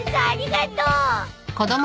ありがとう。